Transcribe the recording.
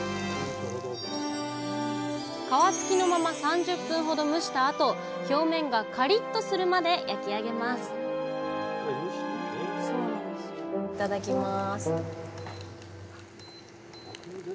皮つきのまま３０分ほど蒸したあと表面がカリッとするまで焼き上げますいただきます。